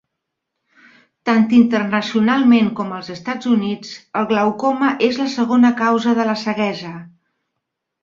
Tant internacionalment com als Estats Units, el glaucoma és la segona causa de la ceguesa.